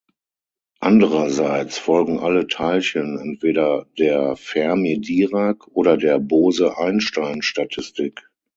Andererseits folgen alle Teilchen entweder der Fermi-Dirac- oder der Bose-Einstein-Statistik.